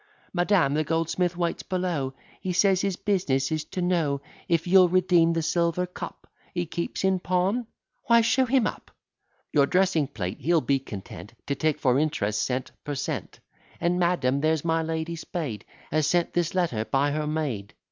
"Madam, the goldsmith waits below; He says, his business is to know If you'll redeem the silver cup He keeps in pawn?" "Why, show him up." "Your dressing plate he'll be content To take, for interest cent. per cent. And, madam, there's my Lady Spade Has sent this letter by her maid."